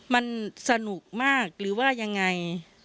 มันสนุกมากหรือว่ายังไง